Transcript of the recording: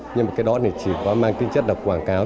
nhưng mà cái đó này chỉ có mang tính chất là quảng cáo